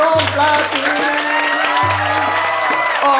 ออนิแลกรีนบุปป้า